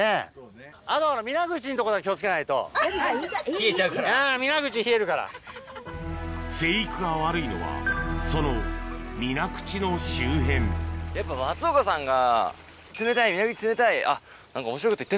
・冷えちゃうから・生育が悪いのはその水口の周辺やっぱ松岡さんが。